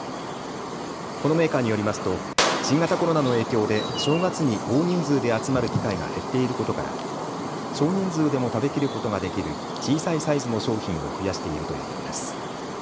このメーカーによりますと新型コロナの影響で正月に大人数で集まる機会が減っていることから少人数でも食べきることができる小さいサイズの商品を増やしているということです。